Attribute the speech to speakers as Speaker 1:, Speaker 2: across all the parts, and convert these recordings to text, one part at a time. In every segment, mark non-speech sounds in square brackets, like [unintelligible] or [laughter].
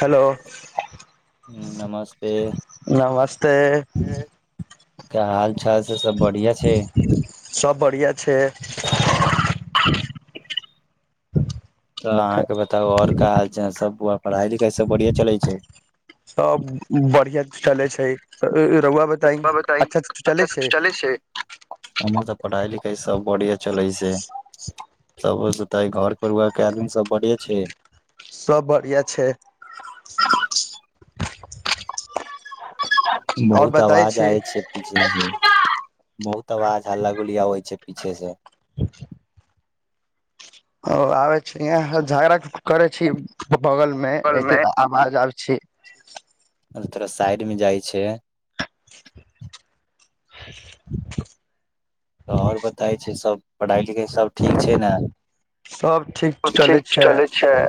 Speaker 1: Hello
Speaker 2: नमस्ते
Speaker 1: नमस्ते
Speaker 2: क्य हाल चाल से सब बढ़िआ छैय।
Speaker 1: सब बढ़िया छैय।
Speaker 2: तऽ अहाँके बताउ और का हाल सब बा। पढ़ाइ लिखाई सब बढ़िया चलै छै।
Speaker 1: सब बढ़िया चले छै रौआ
Speaker 2: और बताई सब अच्छा
Speaker 1: चले छै
Speaker 2: से चलै छैय हमर तऽ पढ़ाई लिखाई सब बढ़िया चलै छैय। ऐ घर परिवार के आदमी सब बढिया छैय।
Speaker 1: सब बढ़िआँ छैय। और
Speaker 2: बहुत
Speaker 1: बताय
Speaker 2: आवाज
Speaker 1: छी
Speaker 2: आय छैय पीछे से। बहुत आवाज हल्ला गुल्ली आवे छैय पीछे से।
Speaker 1: [unintelligible] ओ आवे छी यहाँ झगड़ करै छी। बगल में एते आवाज आब छैय।
Speaker 2: थोरा साइड में जाइ छैय।
Speaker 1: [unintelligible]
Speaker 2: तऽ आओर बताय छैय सब। पढ़ाइ लिखाइ सभ ठीक छैय ने,
Speaker 1: सब
Speaker 2: सभ
Speaker 1: चले
Speaker 2: ठीक
Speaker 1: छै
Speaker 2: चलै छैय।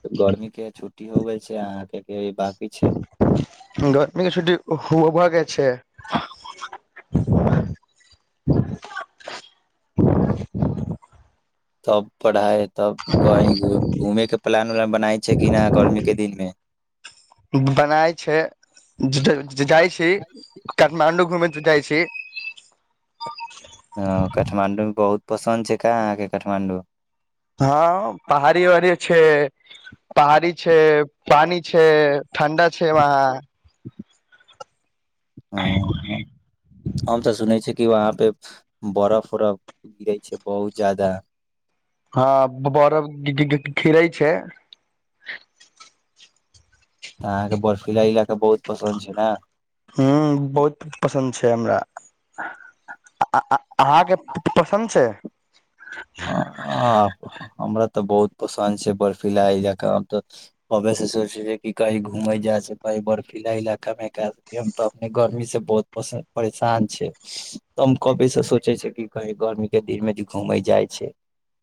Speaker 2: त गरमी के छुट्टी हो गेल छैय अहाँके के बाकी छैय।
Speaker 1: गर्मी के छुट्टी भऽ गेल छैय।
Speaker 2: तब पढ़ाई तब कही घूम घूमेके प्लान उलान बनाय छैय कि ने गर्मीे के दिनमे।
Speaker 1: बनाय छै जाइ छी काठमाण्डू घुमेैत जाइ छी।
Speaker 2: ह काठमाण्डू भी बहुत पसन्द छैय का अहाँके काठमाण्डू।
Speaker 1: हँ पहाड़ी वहाड़ी छैय। पहाड़ी छैय, पानी छैय, ठण्डा छैय वहाँ।
Speaker 2: ह हम तऽ सुनै छिय कि वहाँ पे बर्फ उरफ गिरै छैय बहुत जादा।
Speaker 1: हँ ब बरफ [unintelligible] गिरै छैय।
Speaker 2: त अहाँके बर्फीला इलाका बहुत पसन्द छैय ने।
Speaker 1: आ आ अहाँके पसन्द छैय।
Speaker 2: ह आ हमरा तऽ बहुत पसंन्द छैय बर्फीलाा इलाका, हम त कबे से सोचे छैय क कही घूमे जाय छैय, कही बर्फीला इलाका मे स त अपने गर्मी से बहुत प परेशान छैय त कवे से सोचे छैय क कही गर्मी के दिन में घूमे जाय। छै तऽ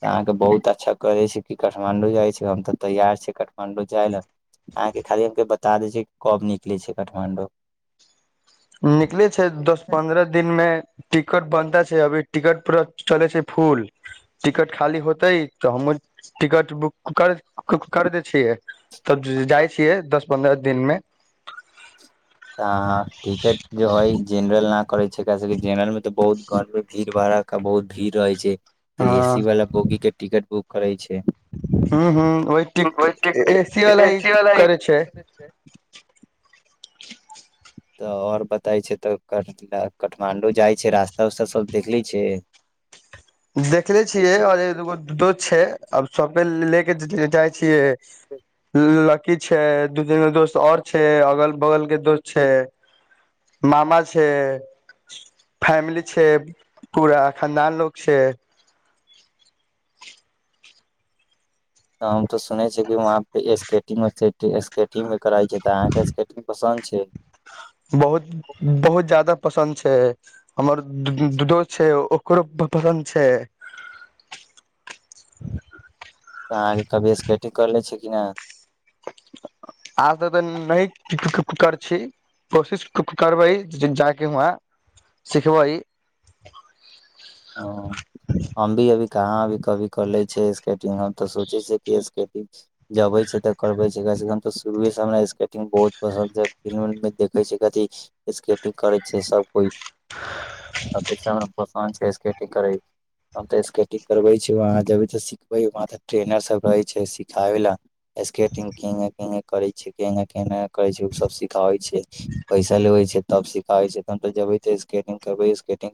Speaker 2: अहाँ के बहुत अच्छा कहै छै कि काठमाण्डू जाय छै, हम तऽ तैयार छियै काठमाण्डू जाय लए, अहाँके खाली हमके बता दै छै कि कब निकलै छै काठमाण्डू।
Speaker 1: निकले छै दस पन्द्रअ दिन मे टिकट बनता छै अभी टिकट पूरा चलै छै फूल टिकट खाली होतै तऽ हमर टिकट बुक कर क कर दै छियै तब जा जाय छियै दस पन्द्रअ दिनमे।
Speaker 2: तऽ अहां टिकेट जे होइ जेनरल ना करे छैय क सब जेनरल में ते बहुत घर मे भीड़ भाड़क्का बहुत भीड़ रहे छैय। तऽ एसी वाला बोगी के टिकट बुक करैछ
Speaker 1: हुं हुं ओय टिक ए सी वाला ही करै छै।
Speaker 2: तऽ और बताए छै तऽ काठ डा कठमांडू जाय छै रास्ता-उस्ता सब देखली छै।
Speaker 1: देखले छियै
Speaker 2: तऽ
Speaker 1: और एक, दूगो द दोस छै। अब सपे ले [unintelligible] देने जाय छियै ल लक की छै दू तीनगो दोस्त और छै, अगल-बगल के दोस्त छै, मामा छै, फैमिली छै पूरा खनदान लोग छै।
Speaker 2: हम ते सुनै छी कि वहाँ पे स्केटिंग वेस्केटिंग स्केटिंग वे करै छै त अहाँ के स्केटिंग पसन्द छै।
Speaker 1: बहुत, बहुत जादा पसन्द छै, हमर द दोस्त छै ओकरो पसन्द छै।
Speaker 2: तऽ अहाँके कभी स्केटिंग करले छै कि नै।
Speaker 1: आज तऽ तऽ नहि [unintelligible] कर छी कोशिश क-क करबै ज-ज जाकऽ उहाँ सिखबै।
Speaker 2: हां हम भी अभी कहाँ अभी कभी करलै छै स्केटिंग, हम ते सोचे छीये कि स्केटिंग जबे छै ते करबै छै, कम से कम त शुरुए से हमरा स्केटिंग बहुत पसन्द छै, फिल्म उ में देखे छीये कथि स्केटिंग करे छै सब कोई, तबे से हमरा पसन्द छै स्के केटिंग करै हम ते स्केटिंग करबे छी, वहां जबी ते सिखबे, वहां ते ट्रेनर सब रहे छै सिखाबे ला, स्केटिंग किंगे-किंगे करे छै केंगे-केंगे करे छै उ सब सिख ताबे छै, पैसा लेबै छै। तब सिखाबे छै, तहन तऽ जेबे ते स्केटिंग करबै, स्केटिंग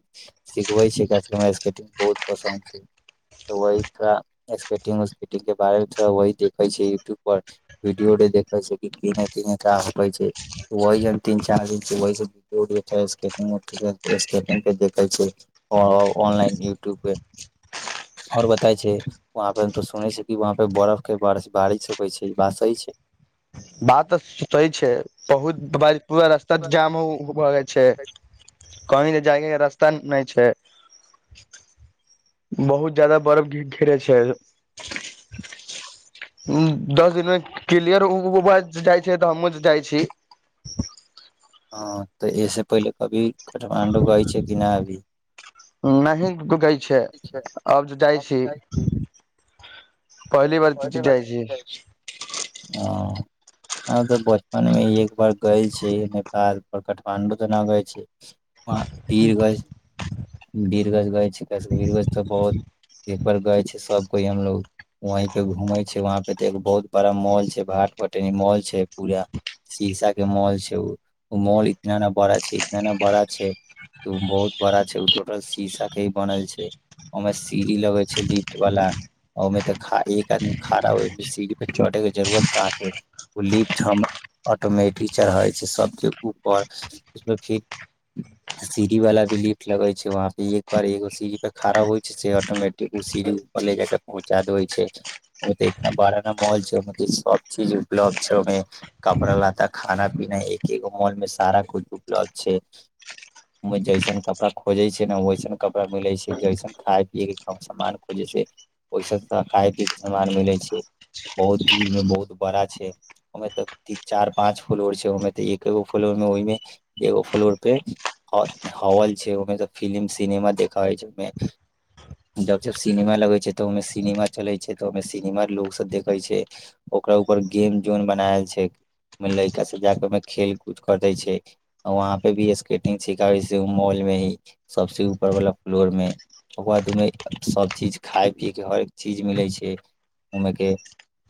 Speaker 2: सिखबे छै, क हमरा स्केटिंग बहुत पसन्द छै त वही थोड़ा स्केटिंग वेस्केटिंग के बारे मे थोड़ा वही देखे छीये यूट्यूब पर वीडियो भी देखे छीये कि पिन्हे-तिन्हे का होकै छै, वही हम तीन-चार दिन से वही सब [unintelligible] स्केटिंग के देखे छी, औ ऑनलाइन यूट्यूब पे और बताई छी वहाँ पे तो सुनै छै कि वहाँ पे बरफ के बारिश बारिश होैकै छै, बात सही छै।
Speaker 1: बात तऽ सही छै बहुत ब बारिश पूरा रास्ता त जाम उ हो जाय छै। कहीं तऽ जाय के रास्ता नै छै। बहुत जादा बर्फ घी घिरे छै, दस दिनमे क्लियर उ भ जाय छै तऽ हमु जाय छी।
Speaker 2: हां तऽ ऐसे पहिले कभी काठमाण्डू गई छै कि नै अभी।
Speaker 1: नहि गुगै छै अब जे जाय छी। पहली बार ज-ज जाय छी।
Speaker 2: हँ हम तऽ बचपन में एक बार गए छी नेपाल, पर काठमाण्डू तऽ न गए छी। बीरगज, बीरगज गये छी, क बीरगज तऽ बहुत। पर गए छै सब कोई हमलोग वही पे घूमे छै, वहाँ पे ते एगो बहुत बड़ा मॉल छै, भाट पटेनी मॉल छै, पूरा शीशा के मॉल छै उ, उ मॉल इतना ना बड़ा छै, इतना ना बड़ा छै, उ बहुत बड़ा छै, टोटल शीशा के ही बनल छै, ओमे सीढ़ी लगे छै लिफ्ट वाला, ओमे ते खा एक आदमी खाड़ा ओय पे, सीढ़ी पे चढ़े के जरूरत कहाँ पे, उ लिफ्ट हम ऑटोमेटिक चढ़े छै, सबके ऊपर उ फिर सीढ़ी वाला भी लिफ्ट लगे छै, वहां पे एक बार एगो सीढ़ी पे खड़ा होय छै से ऑटोमेटिक उ सीढ़ी ऊपर ले जाके पहुँचा देे छै। ओ त इतना बड़ा ना मॉल छैहि सब चीज उपलब्ध छै, ओहिमें कपड़ा-लत्ता खाना-पीना एकेगो मॉल में सारा कुछ उपलब्ध छै, ओ जैसन कपड़ा खोजे छै ने वैसन कपड़ा मिलै छै, जैसन खाय-पियए के समान खोजे छै वैसन खाय पी। समान मिलै छै, बहुत भीड़ में बहुत बड़ा छै, ओमे तऽ तीन-चार, पाच फ्लोर छै। ओमें त एकगो फ्लोर में ओहिमे एगो फ्लोर पे हॉल छै, ओमे त फिल्म सिनेमा देखइ छै, ओहिमें जब-जब सिनेमा लगे छै तऽ ओहिमें सिनेमा चले छै। छै त ओय मे सिनेमा लोग सब देखे छै, ओकरा ऊपर गेम जोन बनाएल छै, मे लयका सब जाके ओय मे खेल-कूद कर दे छै, वहाँ पे भी स्केटिंग सिखाबे छै उ मॉल मे ही सबसे ऊपर वाला फ्लोर मे, ओकर बाद उ मे सब चीज खाय-पिये के हर एक चीज मिले छै। के, घुमे के,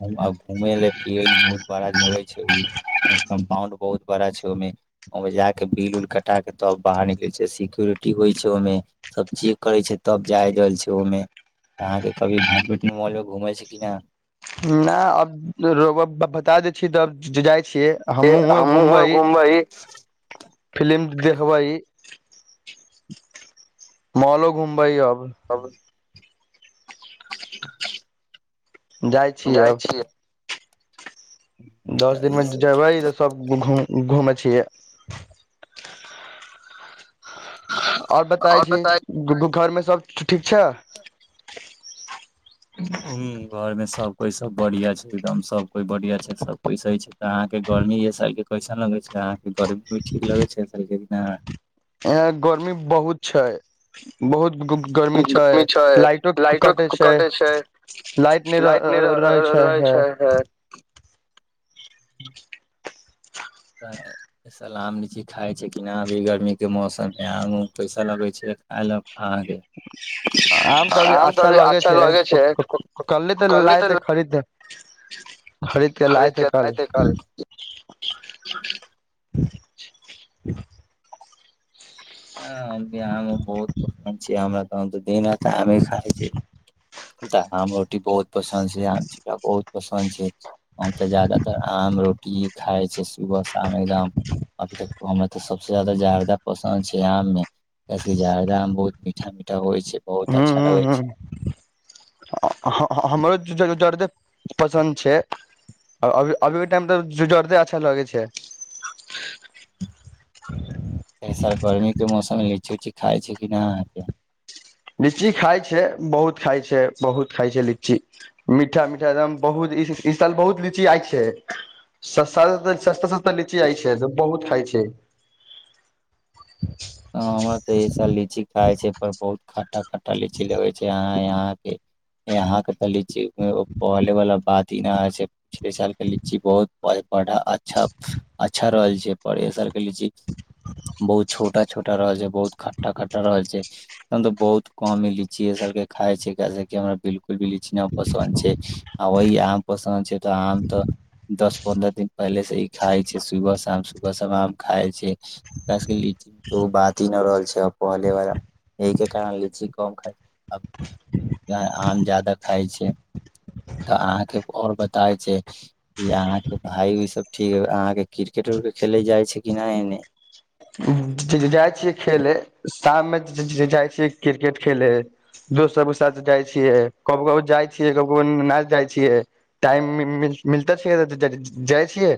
Speaker 2: घूम अ घूमे ले कि बहुत बड़ा घूमे छै, [unintelligible] कंपाउंड बहुत बड़ा छै उ मे, ओय ला के बिल-उल कटा के तब बाहर निकले छै, सिक्योरिटी होय छै ओ मे, सब चेक करे छै तब जाय रहल छै ओ मे, अहाँ के कभी [unintelligible] घुमै छै कि ना।
Speaker 1: ना अब राैउवा ब बता दै छी तब जाय
Speaker 2: पे हमहुँओ घुमबै।
Speaker 1: फिलिम देखबै। मॉलो घुमबै अब।
Speaker 2: अब [unintelligible]
Speaker 1: जाय छी
Speaker 2: जाइ
Speaker 1: अब।
Speaker 2: छियै
Speaker 1: दस
Speaker 2: तऽ
Speaker 1: दिन
Speaker 2: ई
Speaker 1: मे जे
Speaker 2: सब
Speaker 1: जेबै तऽ सब घूम घूमे छियै। और बताई छी [unintelligible] घर मे ठी ठीक छै।
Speaker 2: उम्म घर मे सब कोई सब बढ़ियाँ छै, एगदम सब कोई बढ़ियाँ छै, सब कोई सही छै, तऽ अहाँ के गर्मी ए साल के कैसन लगै छै, अहाँ के गर्मी भी ठीक लगै छै ए साल के की ना।
Speaker 1: इहाँ गर्मी बहुत छै, बहुत ग-ग गर्मी छै, लाइटो कटे छै, लाइट नै र-र-र रहै छै है।
Speaker 2: अ साला आम, लीची खाय छै कि नै अभी गरमी के मौसम मे आम-उम पैसा लागै छै खायले अहाँ के।
Speaker 1: आम तऽ अभी अच्छा लागै छै, क-क कल्हि ते
Speaker 2: कल्े
Speaker 1: लाए थे
Speaker 2: तऽ
Speaker 1: खरीदे
Speaker 2: खरीद के एते कल
Speaker 1: [unintelligible] [unintelligible]
Speaker 2: आम। अभी आम-उम बहुत पसन्द छीये हमरा। हम ते दिन रा त आमे खाय छी। हम ते आम, रोटी बहुत पसन्द छै, आम चिल्का बहुत पसन्द छै, हम ते जादातर आम, रोटी ही खाय छीये सुबह-शाम एगदम, अभी ते हमरा ते सबसे जादा जर्दा पसन्द छै। ए आम मे, ऐसे जरदा आम बहुत मीठा-मीठा होय छै। बहुत
Speaker 1: ह
Speaker 2: अच्छा लगै छै
Speaker 1: -ह- ह -हमर जर दे। पसन्द छै -अभीके टाइम तऽ जुजरते अच्छा लगै छै। [unintelligible]
Speaker 2: त सर गर्मीके मौसममे लीची उची खाइ छै कि नहि अहाँके। [unintelligible]
Speaker 1: लीची खाइ छै बहुत खाइ छै बहुत खाइ छै लीची मीठा -मीठा एकदम बहुत इ साल बहुत लीची आय छै सस्त -सस्ता -सस्ता लीची आय छै बहुत खाइ छै। [unintelligible]
Speaker 2: ह हमरा तस लीची खााय छै पर बहुत। [unintelligible] खट्टा-खट्टा लीची लगे छै, अहाँ यहां के इहां के ते लीची उ ओय पहले वला बात ही ना छै, पिछले साल के लीची बहुत [unintelligible] बड़ा अच्छा, अच्छा रहल जे पड़े सर बहुत छोट। [unintelligible] छोटा -छोटा रहल छै बहुत खट्टा- खटटा रहल छै तऽ बहुत कम इ लीची सब के खाय छै क हमरा बिलकुल। [unintelligible] फ बिली चिह पसन्द छै। [unintelligible] आ वही आम पसन्द छै तऽ आम तऽ दस पन्द्रह दिन पहिले से ही खाइ छै सुबह शाम- सुबह शाम आम खाइ छै। तऽ ओ बात ही नहि रहल छै आ पहले बार एहिके कारण लीची कम खाइ छै आ आम जाादा खाइ छै तऽ अहाँके आओर बताै छै कि अहाँके भाय ओसभ ठीक अहाँके क्रिकेट उरकेट खेलै जाइ छै कि नहि एने। [unintelligible]
Speaker 1: जाइ छियै -खेल शाममे जाइ छियै- क्रिकेट खेलै दोस्त सभके साथ जाइ छियै कब क जाइ छियै- क जाइ छियै टाइम मिलते छ जाइ छियै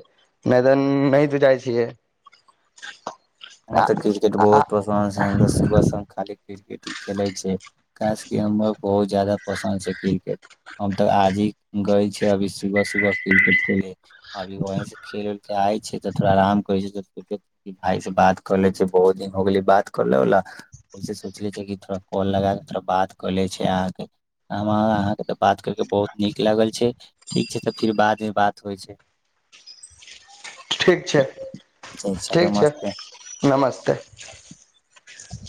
Speaker 1: नहि तऽ नहि तऽ जाइ छियै। [unintelligible]
Speaker 2: हम तऽ क्रिकेट बहुत पसन्द छै सु खाली क्रिकेट। [unintelligible] खेले छै ख ग बहुत जादा पसन्द छै क्रिकेट हम तऽ आज ही गय छी अभी सुबह- सुबह क्रिकेट खेले अभी वहं से खेल के आय छी त थोड़ा आराम करे छै भाय से बात। बात कऽ ले छै बहुत दिन हो गेलै बात कर लेवला ओहिसँ सोच ले छै कि थोड़ा कॉल लगा कऽ थोड़ा बात क ले छै अहाँके अहाँके तऽ बात करके बहुत नीक लागल छै ठीक छै तऽ फिर बादमे बात होइ छै। [unintelligible]
Speaker 1: ठीक छै -ठीक छै। [unintelligible] नमस्ते। [unintelligible]